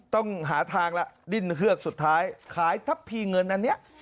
ต้องหาทางละดิ้นเฮือกสุดท้ายขายทัพพีเงินอันนี้